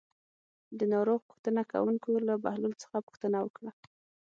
د ناروغ پوښتنه کوونکو له بهلول څخه پوښتنه وکړه.